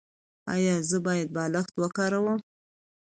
ایا زه باید بالښت وکاروم؟